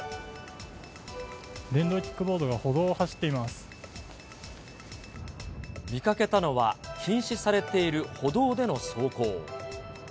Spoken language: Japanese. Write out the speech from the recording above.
電動キックボードが歩道を走見かけたのは、禁止されている歩道での走行。